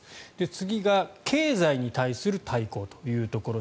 次が経済に対する対抗というところ。